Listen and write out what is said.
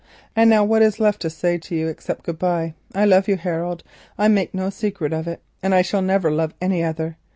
And now what is there left to say to you except good bye? I love you, Harold, I make no secret of it, and I shall never love any other.